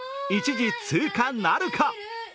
１次通過なるか。